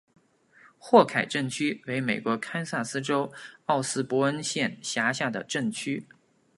霍凯镇区为美国堪萨斯州奥斯伯恩县辖下的镇区。